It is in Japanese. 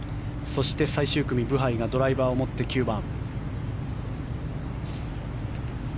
そして最終組、ブハイがドライバーを持って９番。